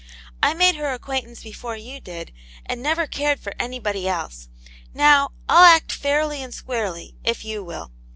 I made her acquaintance before you did, and never cared for anybody else. Now, I'll act fairly and squarely, if you will.